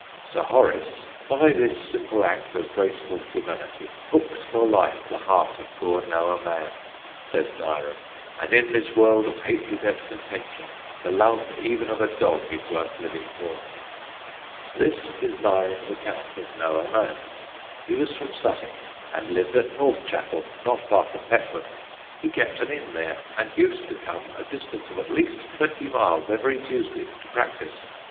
"Sir Horace, by this simple act of graceful humanity, hooked for life the heart of poor Noah Mann," says Nyren; "and in this world of hatred and contention, the love even of a dog is worth living for." [Illustration: Petworth Churchyard.] [Sidenote: GEORGE LEAR'S STRATEGY] This is Nyren's account of Noah Mann: "He was from Sussex, and lived at Northchapel, not far from Petworth. He kept an inn there, and used to come a distance of at least twenty miles every Tuesday to practise.